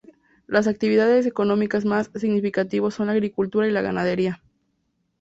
Las actividades económicas más significativas son la agricultura y la ganadería.